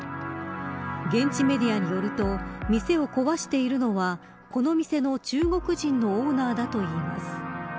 現地メディアによると店を壊しているのはこの店の中国人のオーナーだといいます。